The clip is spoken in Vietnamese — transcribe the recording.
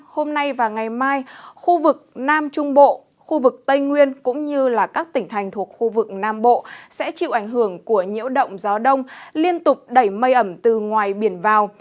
khu vực tây nguyên cũng như các tỉnh thành thuộc khu vực nam bộ sẽ chịu ảnh hưởng của nhiễu động gió đông liên tục đẩy mây ẩm từ ngoài biển vào